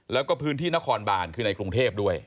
แล้วก็พื้นที่นครบานคือในกรุงเทพด้วย